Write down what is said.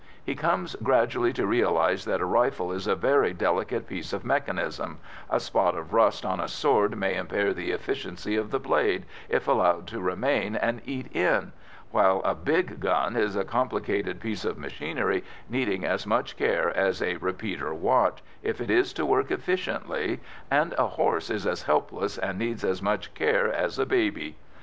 He comes gradually to realise that a rifle is a very delicate piece of mechanism; a spot of rust on a sword may impair the efficiency of the blade, if allowed to remain and eat in; while a big gun is a complicated piece of machinery needing as much care as a repeater watch, if it is to work efficiently, and a horse is as helpless and needs as much care as a baby.